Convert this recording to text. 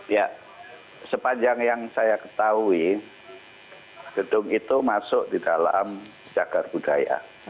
ya sepanjang yang saya ketahui gedung itu masuk di dalam cagar budaya